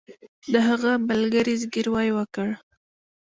د هغه ملګري زګیروی وکړ